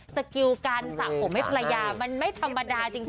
สกิลการสระผมให้ภรรยามันไม่ธรรมดาจริง